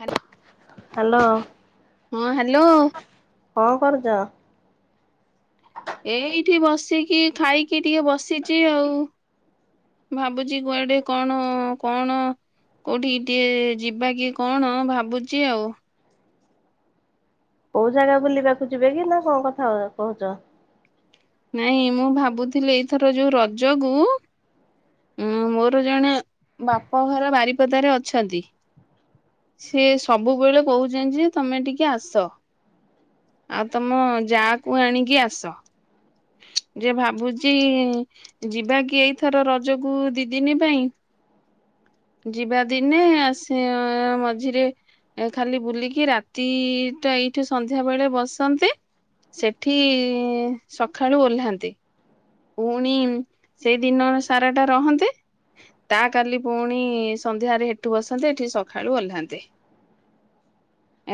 ହେଲା। Hello hello କଣ କରୁଚ? ଏଇଠି ବସିକି ଖାଇକି ଟିକେ ବସିଚି ଆଉ। ଭାବୁଚି କୁଆଡେ କଣ କଣ କୋଉଠି ଟିକେ ଯିବା କି କଣ ଭାବୁଚି ଆଉ କୋଉ ଜାଗା ବୁଲିବାକୁ ଯିବେ କି ନା କଣ କଥା କୋହୁଚ। ନାଇଁ ମୁଁ ଭାବୁଥିଲି ଏଇଥର ଯୋଉ ରଜକୁ ଉଁ ମୋର ଜଣେ ବାପ ଘର ବାରିପଦାରେ ଅଛନ୍ତି। ସେ ସବୁବେଳେ କହୁଛନ୍ତି ଯେ ତମେ ଟିକେ ଆସ। ଆଉ ତମ ଯାଆ କୁ ଆଣିକି ଆସ। ହୁଁ। ଯେ ଭାବୁଚି ଯିବା କି ଏଇଥର ରଜକୁ ଦିଇଦିନୀ ପାଇଁ? ଯିବା ଦିନେ ଆସି ମଝିରେ ଏ ଖାଲି ବୁଲିକି ରାତି ଟା ଏଇଠୁ ସନ୍ଧ୍ୟା ବେଳେ ବସ ସେଠି ସକାଳୁ ଓହ୍ଲାନ୍ତେ। ପୁଣି ସେଇଦିନ ସାରା ଟା ରହନ୍ତେ। ତା କାଲି ପୁଣି ସନ୍ଧ୍ୟାରେ ଏଠୁ ବସନ୍ତେ ଏଠି ସକାଳୁ ଓହ୍ଲାନ୍ତେ।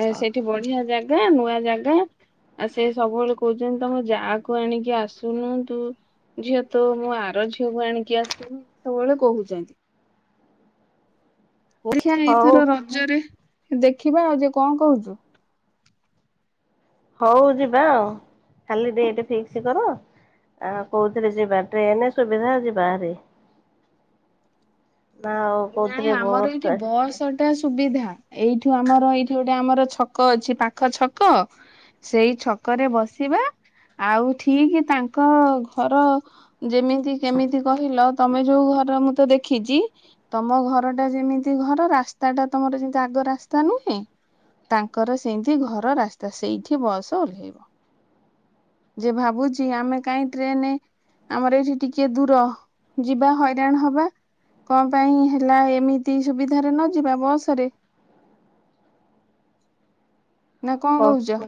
ଆ ସେଇଠି ବଢିଆ ଜାଗା ନୂଆ ଜା ଆଉ ସେ ସବୁବେଳେ କହୁଛନ୍ତି ତମ ଯାଆ ଆଣିକି ଆସୁନନ୍ତୁ। ଝିଅ ତ ମୁଁ ଆର ଝିଅକୁ ଆଣିକି ଆସି ସବୁବେଳେ କହୁଛନ୍ତି। ଓଡିିଆ ହଉ ଏଇଥର ରଜରେ ଦେଖିବା ଆଉ ଯେ କଣ କହୁଚୁ? ହଉ ଯିବା ଆଉ ଖାଲି ଡେଟ ଫିକ୍ସ କର। ଆ କୋଉଥିରେ ଯିବା ଟ୍ରେନ ସୁବିଧା ଯିବାଭାରି। ନାଁ ହଉ କଉ ଥିରେ ବସ୍ ଗଟା ସୁବିଧା ଏଇଠୁ ଆମର ଏଇଠି ଗୋଟେ ଆମର ଛକ ଅଛି ପାଖ ଛକ ସେଇ ଛକରେ ବସିବା ଆଉ ଠିକ ତାଙ୍କ ଘର ଯେମିତି କେମିତି କହିଲ ତମେ ଯୋଉ ମୁଁ ତ ଦେଖିଚି। ତମ ଘର ଟା ଯେମିତି ଘର ରାସ୍ତା ଟା ତମର ଯେମତି ଆଗ ରାସ୍ତା ନୁହେଁ। ତାଙ୍କର ସେମତି ଘର ରାସ୍ତା ସେଇଠି ବସ ଓହ୍ଲେଇବ। ଯେ ଭାବୁଚି ଆମେ କାହିଁ ଟ୍ରେନ ଆମର ଏଇଠି ଟିକେ ଦୂର ଯିବା ହଇରାଣ ହବା କ ପାଇଁ ହେଲା ଏମିତି ସୁବିଧାରେ ନ ଯିବା ବସ ରେ [inaudible] ନା କଣ ହଁ କହୁଛ?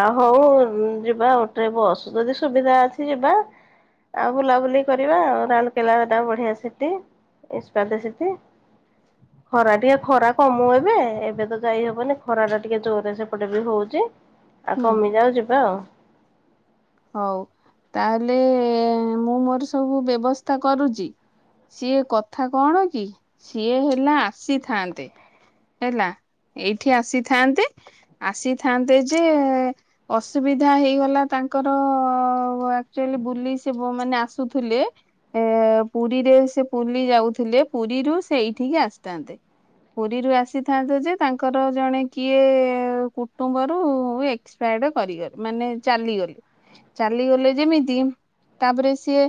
ଆ ହୋଉ ଯିବା ବସ୍ ଯଦି ସୁବିଧା ଅଛି ଯିବା। ଆଉ ବୁଲାବୁଲି କରିବା ଆଉ ରାଉଲକେଲାଟା ବଢିଆ ସେଠି [unintelligible] ଖରା ଟିକେ ଖରା କମୁ ଏବେ ଏବେ ତ ଯାଇହବନି ଖରା ଟା ଟିକେ ଜୋରରେ ସେ ଏପଟେ ବି ହୋଉଚି ଆଉ ହୁଁ କମିଯାଉ ଯିବା ଆଉ। ହଉ ତାହେଲେ ମୁଁ ମୋର ସବୁ ବ୍ୟବସ୍ଥା କରୁଚି। ସିଏ କଥା କଣ କି ସିଏ ହେଲା ଆସିଥାନ୍ତେ ହେଲା। ଏଇଠି ଆସିଥାନ୍ତେ ଆସିଥାନ୍ତେ ଯେ ଅସୁବିଧା ହେଇଗଲା ତାଙ୍କ ତାଚ ବୁ ସେ ମାନେ ଆସୁଥିଲେ ଏ ପୁରୀରେ ସେ ପୁରୀ ଯାଉଥିଲେ ପୁରୀରୁ ସେ ଏଇଠିକି ଆସିଥାନ୍ତେ ପୁରୀରୁ ଆସିଥାନ୍ତେ ଯେ ତାଙ୍କର ଜଣେ କିଏ କୁଟୁମ୍ବ ର ଏକ୍ପ ଗ ମାନେ ଚାଲିଗଲେ ଚାଲିଗଲେ ଯେମିତି ତାପରେ ସିଏ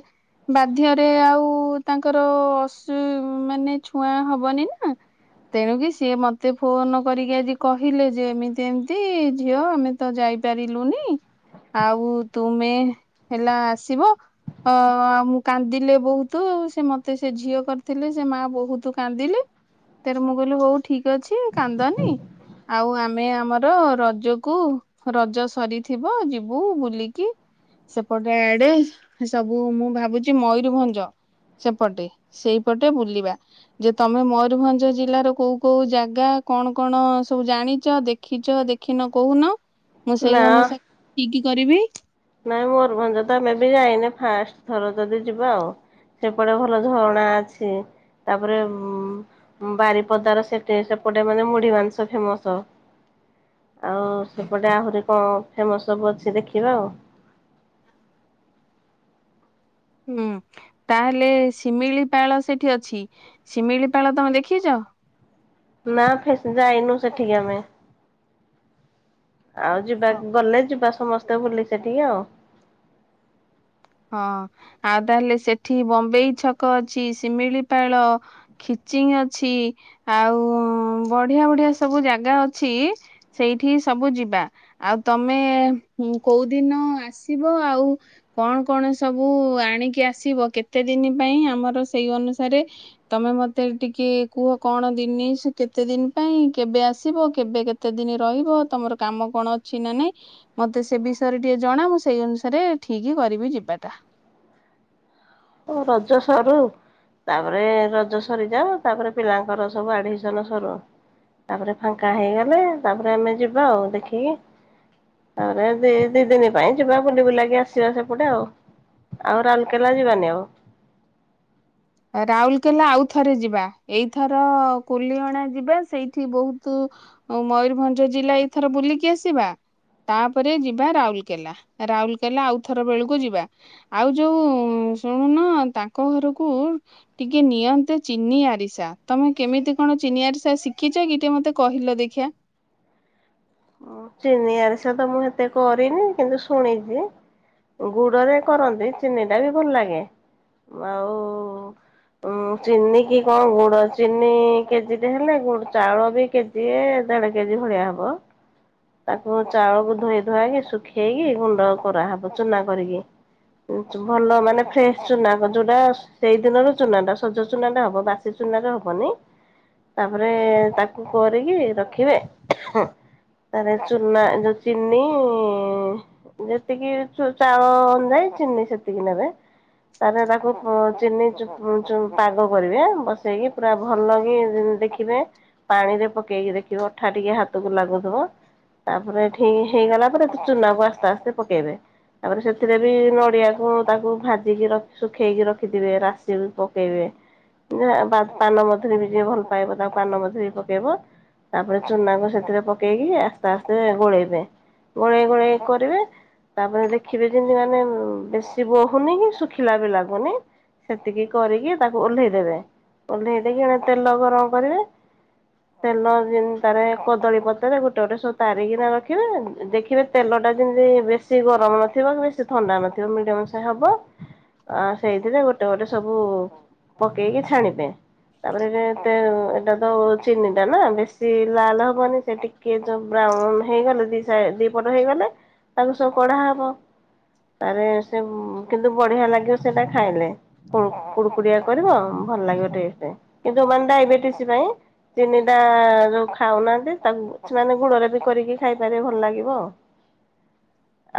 ବାଧ୍ୟରେ ଆଉ ତାଙ୍କର ଅସ ମାନେ ଛୁଆଁ ହବନି ନା ତେଣୁକି ସିଏ ମତେ ଫୋନ କରିକି ଆଜି କହିଲେ ଯେ ଏମିତି ଏମିତି ଝିଅ ଆମେ ତ ଯାଇ କହିପିଲୁନି ଆଉ ତୁମେ ହେଲା ଆସିବ ଅ ଆଉ ମୁଁ କାନ୍ଦିଲେ ବହୁତ ସେ ମତେ ସେ ଝିଅ କରିଥିଲେ ସେ ମା ବହୁତ କାନ୍ଦିଲେ ତରେ ମୁଁ କହିଲି ହୋଉ ଠିକ ଅଛି କାନ୍ଦନି ଆଉ ଆମେ ଆମର ରଜକୁ ରଜ ସରିଥିବ ଯିବୁୁ ବୁଲିକି ସେପଟେ ଆଡେ ସବୁ ମୁଁ ଭାବୁଛି ମୟୂରଭଞ୍ଜ ସେପଟେ ସେଇପଟେ ବୁଲିବା ଯେ ତମେ ମୟୂରଭଞ୍ଜ ଜିଲ୍ଲାର କୋଉ କୋଉ ଜାଗା କଣ କଣ ସବୁ ଜାଣିଛ ଦେଖିଛ ଦେଖିନ କହୁନ ମୁଁ ସେଇ ନା ଅନୁସାରେ ଠିକ କରିବି ନାଇଁ ମୟୂରଭଞ୍ଜ ତ ଆମେ ବି ଯାଇନି ଫାଷ୍ଟ ଥର ଯଦି ଯିବା ଆଉ ସେପଟେ ଭଲ ଝରଣା ଅଛି ତାପରେ ଉ ବାରିପଦାର ସେଠ ସେପଟେ ମାନେ ମୁଢି ମାଂସ ଫେମସ ଆଉ ସେପଟେ ଆହୁରି କଣ ଫେମସ ସବୁ ଅଛି ଦେଖିବା ଆଉ ହୁଁ ତାହେଲେ ଶିମିଳିପାଳ ସେଠି ଅଛି ଶିମିଳିପାଳ ତମେ ଦେଖିଛ ନା ଫ ଯାଇନୁ ସେଠିକ ଆମେ ଆଉ ଯିବା ଗଲେ ଯିବା ସମସ୍ତେ ଭୁଲି ସେଠିକେ ଆଉ ହଁ ଆଉ ତାହେଲେ ସେଠି ବମ୍ବେେଇ ଛକ ଅଛି ଶିମିଳିପାଳ ଚିଙ୍ଗ ଅଛି ଆଉ ବଢିଆ ବଢିଆ ସବୁ ଜାଗା ଅଛି ସେଇଠି ସବୁ ଯିବା ଆଉ ତମେ କୋଉ ଦିନ ଆସିବ ଆଉ କଣ କଣ ସବୁ ଆଣିକି ଆସିବ କେତେ ଦିନ ପାଇଁ ଆମର ସେଇ ଅନୁସାରେ ତମେ ମତେ ଟିକେ କୁହ କଣ ଦିନି ସେ କେତେ ଦିନ ପାଇଁ କେବେ ଆସିବ କେବେ କେତେ ଦିନ ରହିବ ତମର କାମ କଣ ଅଛି ନା ନାଇଁ ମତେ ସେ ବିଷୟରେ ଟିକେ ଜଣା ମୁଁ ସେଇ ଅନୁସାରେ ଠିକ କରିବି ଯିବି ବେଟା ଓ ରଜ ସରୁ ତାପରେ ରଜ ସରିଯାାଉ ତାପରେ ପିଲାଙ୍କର ସବୁ ଆଡମିସନ ସରୁ ତାପରେ ଫାଙ୍କା ହେଇଗଲେ ତାପରେ ଆମେ ଯିବା ଆଉ ଦେଖିକି ଆରେ ଦି ଦି ଦିନ ପାଇଁ ଯିବା ବୁଲିିବୁଲାଗି ଆସିବା ସେପଟେ ଆଉ ଆଉ ରାଲକେଲା ଯିବାନି ଆଉ ରାଉରକେଲା ଆଉ ଥରେ ଯିବା ଏଇଥର କୁଲିଅଣା ଯିବା ସେଇଠି ବହୁତ ମୟୂରଭଞ୍ଜ ଜିଲ୍ଲା ଏଥର ବୁଲିକି ଆସିବା ତାପରେ ଯିବା ରାଉରକେଲା ରାଉରକେଲା ଆଉ ଥର ବେଳକୁ ଯିବା ଆଉ ଯୋଉ ଶୁଣୁନ ତାଙ୍କ ଘରକୁ ଟିକେ ନିଅନ୍ତେ ଚିନି ଆରିସା ତମେ କେମିତି କଣ ଚିନି ଆରିସା ଶିଖିଛ କି ଟିକେ ମତେ କହିଲେ ଦେଖିିବା [inaudible] ଚିନି ଆରିଷ ତ ମୁଁ ଏତେ କରିନି କିନ୍ତୁ ଶୁଣିଛି ଗୁଡରେ କରନ୍ତି ଚିନି ଟା ବି ଭଲ ଲାଗେ ଆଉ ଉଁ ଚିନି କି କଣ ଗୁଡ ଚିନି କେଜିରେ ହେଲୋଡ ଚାଉଳ ବି କେଜି ଦେଢ଼ କେଜି ଭଳିଆ ହବ ତାକୁ ଚାଉଳକୁ ଧୋଇ ଧୁଆକି ଶୁଖେଇକି ଗୁଣ୍ଡ କରାହେବ ଚୁନା କରିକି ଭଲ ମାନେ ଫ୍ରେଶ ଚୁନା ଯୋଉଟା ସେଇ ଦିନରୁ ଚୁନା ଟା ସଜ ଚୁନା ଟା ହବ ବାସିଚ ଚୁନାରେ ର ହବନି ତାପରେ ତାକୁ କରିକି ରଖିବେ ତାହେଲେ ଚୁନା ଯୋଉ ଚିନି ଯେତିକି ଚୁ ଚାଉଳ ଅନୁଯାୟୀ ଚି ଚିନି ସେତିକି ନେବେ। ତାହେଲେ ତାକୁ ପୁ ଚିନି ଚୁ ଚୁ ପାଗ କରିବେ ବସେଇକି ପୁରା ଭଲ କି ଦେଖିବେ ପାଣିରେ ପକେଇକି ଦେଖିବେ ଅଠା ଟିକେ ହାତକୁ ଲାଗୁଥିବ। ତା ପରେ ଠିକ୍ ହେଇଗଲା ପରେ ତ ଚୁନାକୁ ଆସ୍ତେ ଆସ୍ତେ ପକେଇବେ ତାପରେ ସେଥିରେ ବି ନଡିଆକୁ ତାକୁ ଭାଜିକି ର ଶୁଖେଇକି ରଖିଥିବେ ରାଶି ପକେଇବେ। ଯା ବା ପାନ ମଧୁରୀ ବି ଯିଏ ଭଲ ପାଇବ ତାକୁ ପାନ ମଧୁରୀ ପକେଇବ ତା ପରେ ଚୁନାକୁ ସେଥିରେ ପକେଇକି ଆସ୍ତେ ଆସ୍ତେ ଗୋଳେଇବେ। ଗୋଳେଇ ଗୋଳେଇ କରିବେ ତା ପରେ ଦେଖିବେ ଯେମତି ମାନେ ଉଁ ବେଶୀ ବହୁନି କି ଶୁଖିଲା ବି ଲାଗୁନି। ସେତିକି କରିକି ତାକୁ ଓହ୍ଲେଇ ଦେବେ ଓହ୍ଲେଇ ଦେଇକି ଏଣେ ତେଲ ଗରମ କରିବେ ତେଲ ଯେମ ତାରେ କଦଳୀ ପତରେ ଗୋଟେ ଗୋଟେ ସୋ ତାରିକିନା ରଖିବେ ଦେଖିବେ ତେଲ ଟା ଯେମିତି ବେଶୀ ଗରମ ନଥିବ କି ବେଶୀ ଥଣ୍ଡା ନଥିବ ମିଡିୟମ୍ ସେ ହବ ଆ ସେଇଥିରେ ଗୋଟେ ଗୋଟେ ସବୁ ପକେଇକି ଛାଣିବେ। ତାପରେ ଯେ ଏତେ ଏଇଟା ତ ଚିନି ଟା ନା ବେଶୀ ଲାଲ୍ ହବନି ସେ ଟିକେ ଯୋଉ ପୂରା ଉଁ ହେଇଗଲେ ଦି ସାଇଟ୍ ଦି ପଟ ହେଇଗଲେ ତାକୁ ସବୁ କଢା ହବ। ତାପରେ ସେ ଉଁ କିନ୍ତୁ ବଢିଆ ଲାଗିବ ସେଟା ଖାଇଲେ କୁଡୁ କୁଡ କୁଡିଆ କରିବ ଭଲ ଲାଗିବ ଟେଷ୍ଟ୍ କିନ୍ତୁ ଯୋଉମାନେ ଡାଇବେଟିସି ପାଇଁ ଚିନିଟା ଯୋଉ ଖାଉନାହାନ୍ତି ତାକୁ ଛୁଆମାନେ ଗୁଡରେ ବି କରିକି ଖାଇପାରିବେ ଭଲ ଲାଗିବ।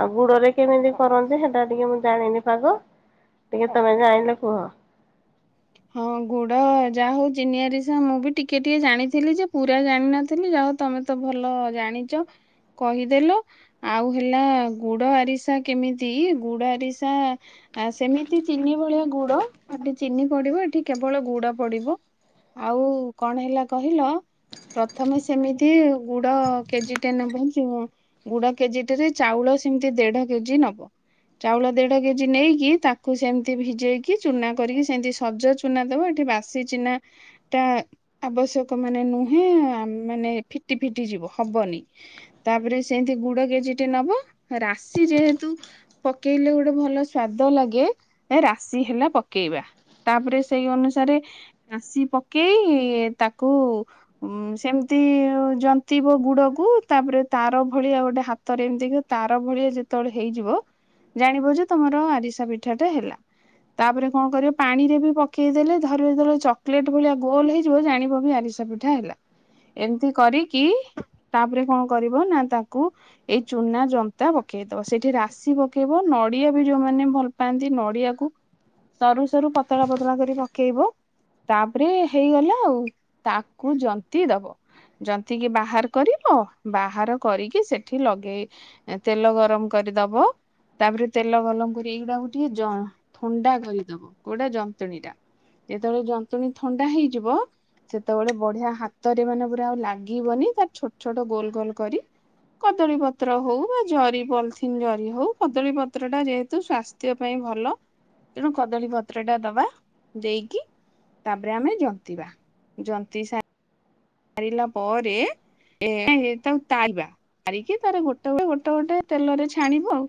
ଆଉ ଗୁଡରେ କେମିତି କରନ୍ତି ସେଟା ଟିକେ ମୁଁ ଜାଣିନି ପାଗ। ଟିକେ ତମେ ଜାଣିଲ କୁହ। ଗୁଡ଼ ଯାହା ହଉ ଚିନି ଆରିସା ମୁଁ ବି ଟିକେ ଟିକେ ଜାଣିଥିଲି ଯେ ପୁରା ଜାଣିିନଥିଲି ଯା ହଉ ତମେ ତ ଭଲ ଜାଣିଛ। କହିଦେଲ ଆଉ ହେଲା ଗୁଡ ଆରିସା କେମିତି ଗୁଡ ଆରିସା ଆଉ ସେମିତି ଚିନି ଭଳିଆ ଗୁଡ ଏଠି ଚିନି ପଡିବ ଏଠି କେବଳ ଗୁଡ ପଡିବ। ଆଉ କଣ ହେଲା କହିଲ। ପ୍ରଥମେ ସେମିତି ଗୁଡ କେଜି ଟେ ନେବ ଯୋଉ ଗୁଡ କେଜିଟେ ରେ ଚାଉଳ ସେମିତି ଦେଢ କେଜି ନବ। ଚାଉଳ ଦେଢ କେଜି ନେଇକି ତାକୁ ସେମିତି ଭିଜେଇକି ଚୁନା କରିକି ସେଏଁତି ସୁ ସଜ ଚୁନା ଦେବ ଏଠି ବାସି ଚିନା ଟା ଆବଶ୍ୟକ ମାନେ ନୁହେଁ ଆ ମା ନେ ଫିଟି ଫିଟି ଯିବ ହବନି ତାପରେ ସେଏଁତି ଗୁଡ କେଜିଟେ ନବ ରାଶି ଯେ ଯେହେତୁ ପକେଇଲେ ଗୋଟେ ଭଲ ସ୍ଵାଦ ଲାଗେ ଏ ରାଶି ହେଲା ପକେଇବା। ତା ପରେ ସେଇ ଅନୁସାରେ ରାଶି ପକେଇ ତାକୁ ଉଁ ସେମତି ତି ଜନ୍ତିବ ଗୁଡକୁ ତାପରେ ତାର ଭଳିଆ ଗୋଟେ ହାତରେ ଏମିତିକା ତାର ଭଳିଆ ଯେତେବ ଳେ ହେଇଯିବ ଜାଣିବ ଯେ ତମର ଆରିସା ପିଠା ଟା ହେଲା ତାପରେ କଣ କରିବ ପାଣିରେ ପକେଇ ଦେଲେ ଧରିବ ଯେତବେଳେ ଚକେଲେଟ୍ ଭଳିଆ ଗୋଲ ହେଇଯିବ ଜାଣିବ ଏବେ ଆରିସା ପିଠା ହେଲା। ଏମିତି କରିକି ତା ପରେ କଣ କରିବ ନା ତାକୁ ଏଇ ଚୁନା ଜନ୍ତା ପ ପକେଇଦବ ସେଇଠି ରାଶି ପକେଇବ ନଡିଆ ବି ଯୋଉମାନେ ଭଲ ପାଆନ୍ତି ନଡିଆକୁ ସରୁ ସରୁ ପତଳା ପତଳା କରି ପକେଇବ। ତା ପରେ ହେଇଗଲା ଆଉ ତାକୁ ଜନ୍ତି ଦବ। ଜନ୍ତିକି ବାହାର କରିବ ବାହାର କରିକି ସେଠି ଲଗେଇ ତେଲ ଗରମ କ ରି ଦବ ତା ପରେ ତେଲ ଗଲମ କରି ଏଇଗୁଡା ହଉଛି ଯଅ ଥଣ୍ଡା କରିଦବ। ପୁଡା ଯନ୍ତଣୀ ଟା ଯେତେବେଳେ ଯନ୍ତୁଣୀ ଥଣ୍ଡା ହେଇଯିବ ସେତେବେଳେ ବଢିଆ ହାତରେ ମାନେ ପୁରା ଆଉ ଲାଗିବନି ତାର ଛୋଟ ଛୋଟ ଗୋଲ୍ ଗୋଲ୍ କରି କଦଳୀ ପତ୍ର ହଉ ବା ଜରି ପଲିଥିନ୍ ଜରି ହଉ କଦଳୀ ପତ୍ର ଟା ଯେହେତୁ ସ୍ଵାସ୍ଥ୍ୟ ପାଇଁ ଭଲ ତେଣୁ କଦଳୀ ପ ପତ୍ର ଟା ଦବା ଦେଇକି ତାପରେ ଆମେ ଜନ୍ତିବା ଜନ୍ତି ସା ସାରିଲା ପରେ ଏ ଏଁ ତାକୁ ତାରିବା ତାରିକି ତାର ଗୋଟେ ଗୋଟେ ଗୋଟେ ତେଲରେ ଛାଣିବୁ ଆଉ।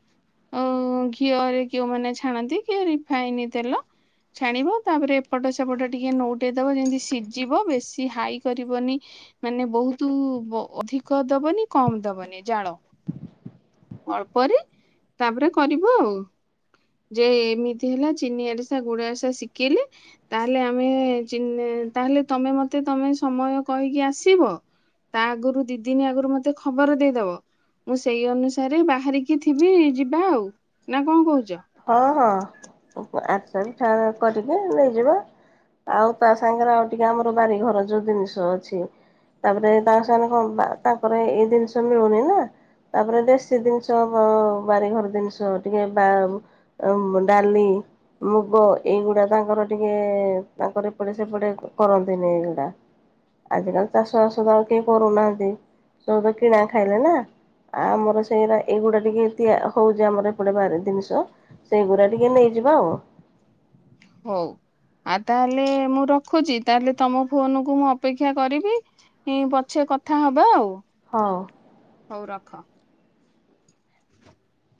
ଅ ଘିଅରେ କେଉଁମାନେ ଛାଣନ୍ତି କିଏ ରିଫାଇନ ତେଲ? ଛାଣିବ ତାପରେ ଏପଟ ସେପଟ ଟିକେ ନୋଉଟେଇ ଦବା ଯେମିତି ସିଝିବ ବେଶୀ ହାଇ କରି ଦବନି ମାନେ ବହୁତ ବ ଅଧିକ ଦବନି କମ ଦବନି ଜାଳ ଅଳ୍ପରେ ତାପରେ କରିବୁ ଆଉ ଯେ ଏମିତି ହେଲା ଚିନି ଆରିସା ଗୁଡ ଆରିସା ଶିଖିଲେ ତାହେଲେ ଆମେ ଚିନି ତାହେଲେ ତମେ ମତେ ତମେ ସମୟ କହିକି ଆସିବ। ତା ଆଗରୁ ଦି ଦିନି ଆଗରୁ ମତେ ଖବର ଦେଇଦବ। ମୁଁ ସେଇ ଅନୁସାରେ ବାହାରିକି ଥିବି ଯିବା ଆଉ ନା କଣ କହୁଛ? ହଁ ହଁ ଆରେଶା ପିଠା କରିକି ନେଇଯିବା। ଆଉ ତା ସାଙ୍ଗରେ ଆଉ ଟିକେ ଆମର ବାରିଘର ଯୋଉ ଜିନିଷ ଅଛି ତାପରେ ତାଙ୍କ ସାଙ୍ଗ କଣ ତାଙ୍କର ଏଇ ଜିନିଷ ମିଳୁନି ନା। ତାପରେ ଦେଶୀ ଜିନିଷ ବାରିଘର ଜିନିଷ ଟିକେ ବା ଉ ଡାଲି ମୁଗ ଏଇଗୁଡା ତାଙ୍କର ଟିକେ ତାଙ୍କର ଏପଟେ ସେପଟେ କରନ୍ତିନି ଏଇଗୁଡା। ଆଜିକାଲି ଚାଷ ବାସ ତ ଆଉ କେହି କରୁନାହାନ୍ତି ସବୁ ତ କିଣା ଖାଇଲେ ନା। ଆ ଆମର ସେଇଟା ଏଇଗୁଡା ଟିକେ ତିଆ ହଉଛି ଆମର ଏପଟେ ବାରି ଜିନିଷ। ସେଇଗୁଡ଼ା ଟିକେ ନେଇଯିବା ଆଉ। ହଉ। ଆଉ ତାହେଲେ ମୁଁ ରଖୁଛି ତାହେଲେ ତମ ଫୋନ କୁ ମୁଁ ଅପେକ୍ଷା କରିବି ପଛେ କଥା ହବା ଆଉ। ହଉ। ହଉ ରଖ। [inaudible]